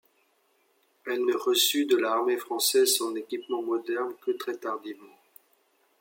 Elle ne reçut de l'Armée française son équipement moderne que très tardivement.